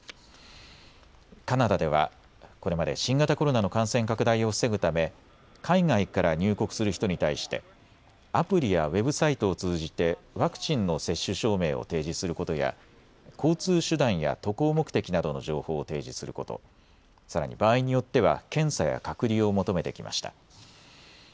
カナダではこれまで新型コロナの感染拡大を防ぐため海外から入国する人に対してアプリやウェブサイトを通じてワクチンの接種証明を提示することや交通手段や渡航目的などの情報を提示すること、さらに場合によっては検査や隔離を求めてきました。